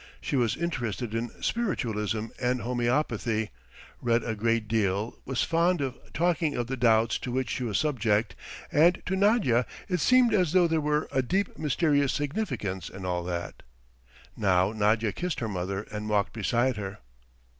She was interested in spiritualism and homeopathy, read a great deal, was fond of talking of the doubts to which she was subject, and to Nadya it seemed as though there were a deep mysterious significance in all that. Now Nadya kissed her mother and walked beside her.